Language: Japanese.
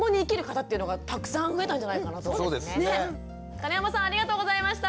金濱さんありがとうございました。